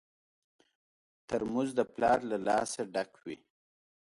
ترموز د پلار له لاسه ډک وي.